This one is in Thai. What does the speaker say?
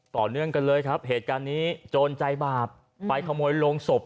ต่อเนื่องกันเลยครับเหตุการณ์นี้โจรใจบาปไปขโมยโรงศพ